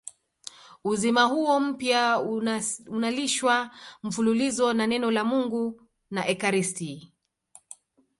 Uzima huo mpya unalishwa mfululizo na Neno la Mungu na ekaristi.